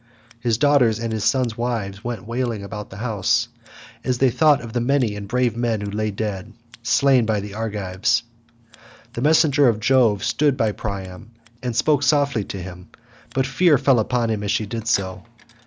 His daughters and his sons' wives went wailing about the house, as they thought of the many and brave men who lay dead, slain by the Argives. The messenger of Jove stood by Priam and spoke softly to him, but fear fell upon him as she did so.